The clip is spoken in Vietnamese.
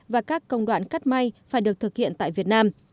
và các công đoạn cắt may phải được thực hiện tại việt nam